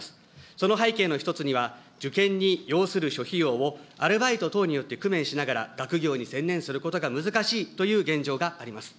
その背景の一つには、受験に要する諸費用をアルバイト等によって工面しながら、学業に専念することが難しいという現状があります。